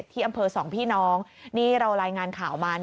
ที่อำเภอสองพี่น้องนี่เรารายงานข่าวมา